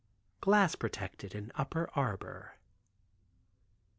Glass protected in upper arbor.